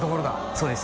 そうです